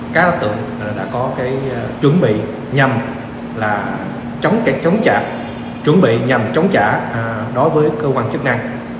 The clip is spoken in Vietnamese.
các đối tượng đã có cái chuẩn bị nhằm là chống trả chuẩn bị nhằm chống trả đối với cơ quan chức năng